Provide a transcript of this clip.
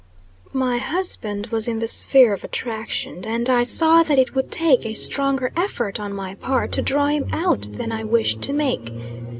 My husband was in the sphere of attraction, and I saw that it would take a stronger effort on my part to draw him out than I wished to make.